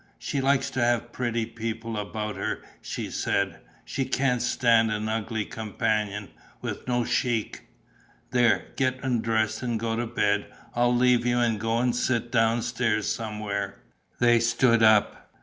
She likes to have pretty people about her, she said. She can't stand an ugly companion, with no chic.... There, get undressed and go to bed. I'll leave you and go and sit downstairs somewhere." They stood up.